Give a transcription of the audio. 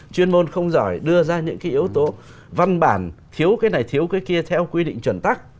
chuyên môn không giỏi đưa ra những cái yếu tố văn bản thiếu cái này thiếu cái kia theo quy định chuẩn tắc